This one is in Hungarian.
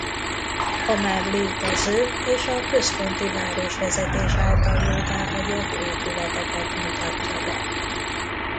A már létező és a központi városvezetés által jóváhagyott épületeket mutatja be.